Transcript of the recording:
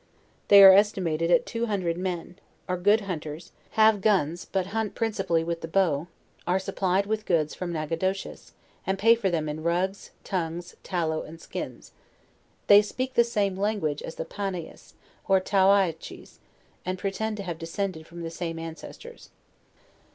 They are estimated at two hun dred men: are good hunters; have guns, but hunt principally with the bow: are supplied with goods from Nacogdoches, and pay for them in rugs, tongues, tallow, and skins. They LEWIS AND CLARKE. 149 speak the same language as the Panias, or Towiaches, and pretend to have descended from the same ancestors.